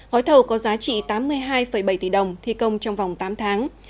gói thầu có giá trị tám mươi hai bảy tỷ đồng thi công trong vòng tám tháng